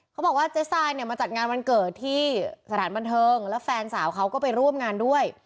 เขาบอกว่าเจ๊ทรายเนี่ยมาจัดงานวันเกิดที่สถานบันเทิงแล้วแฟนสาวเขาก็ไปร่วมงานด้วย